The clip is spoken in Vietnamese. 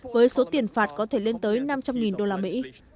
với số tiền phạt có thể lên tới năm trăm linh đô la mỹ